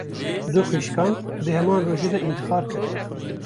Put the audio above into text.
Du xwişkan, di heman rojê de întixar kir